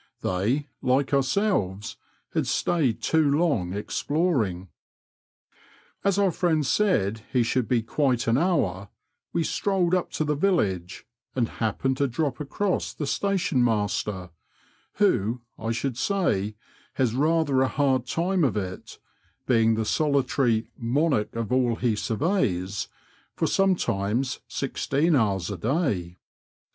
They, like ourselves* Iiad stayed too long exploring. As our friend said he should be quite an hour, we strolled np to the Tillage, and happened to drop across the station master, who, I should say, has rather a hard time of it, being the solitary monarch of all he surveys for sometimes 43ixteen hours a day.